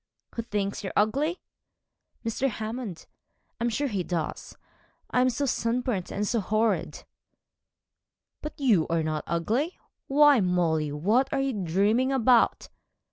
'Who thinks you ugly?' 'Mr. Hammond. I'm sure he does. I am so sunburnt and so horrid!' 'But you are not ugly. Why, Molly, what are you dreaming about?'